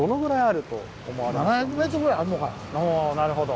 おなるほど。